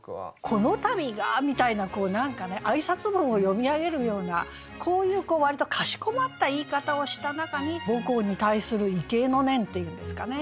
「このたびが」みたいなこう何かね挨拶文を読み上げるようなこういう割とかしこまった言い方をした中に母校に対する畏敬の念っていうんですかね。